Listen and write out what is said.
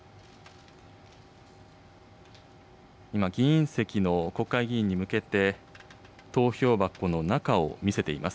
今、議員席の国会議員に向けて、投票箱の中を見せています。